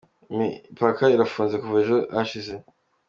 Imipaka irafunze kuva ejo hashize.